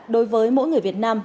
đối với mỗi người việt nam